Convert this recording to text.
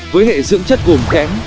với hệ dưỡng chất gồm kém